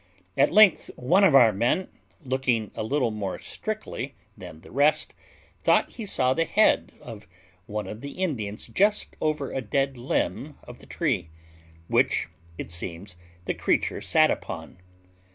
At length, one of our men, looking a little more strictly than the rest, thought he saw the head of one of the Indians just over a dead limb of the tree, which, it seems, the creature sat upon.